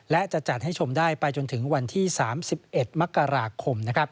และจะจัดให้ชมได้ไปจนถึงวันที่๓๑มกราคม